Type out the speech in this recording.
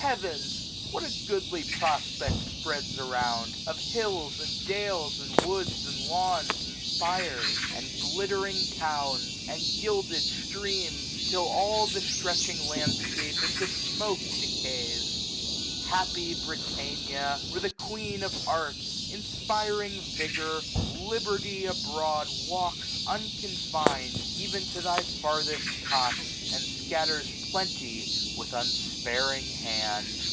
Heavens ! what a goodly prospect spreads around. Of hills, and dales, and woods, and lawns, and spires. And glittering towns, and gilded streams, till all The stretching landskip into smoke decays ! 1440 Happy Britannia ! where the Queen of Arts, Inspiring vigour, Liberty abroad Walks, unconfin'd, even to thy farthest cots. And scatters plenty with unsparing hand.